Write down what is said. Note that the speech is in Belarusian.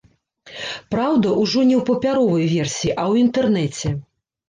Праўда, ужо не ў папяровай версіі, а ў інтэрнэце.